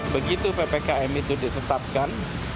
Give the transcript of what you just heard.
begitu ppkm itu ditetapkan